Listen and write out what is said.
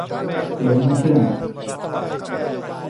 เลี้ยงไม่เชื่อง